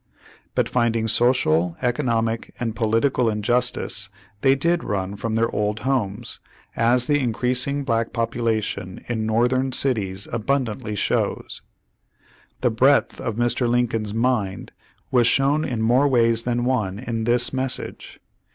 But finding social, economic, and political injustice, they did run from their old homes, as the in creasing black population in Northern cities abun dantly shows. The breadth of Mr. Lincoln's mind was shown in more ways than one in this message.